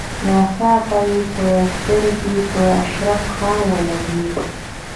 ناڅاپه يې سترګې په اشرف خان ولګېدې.